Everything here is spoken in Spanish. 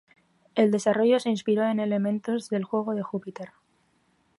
El desarrollo se inspiró en elementos del juego de Jupiter.